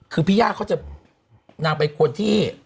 คือพี่ย่าเขาจะนางเป็นคนที่